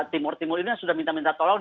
timur timur ini yang sudah minta minta tolong